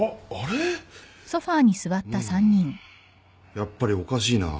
やっぱりおかしいなぁ。